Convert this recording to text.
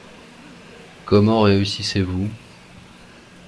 Comment réussissez-vous ?